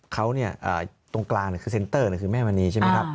เขาเนี่ยตรงกลางเนี่ยคือเซ็นเตอร์เนี่ยคือแม่มณีใช่ไหมครับ